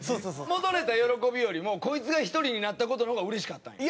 戻れた喜びよりもこいつが１人になった事の方が嬉しかったんや。